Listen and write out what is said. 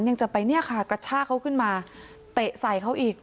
ยังจะไปเนี่ยค่ะกระชากเขาขึ้นมาเตะใส่เขาอีก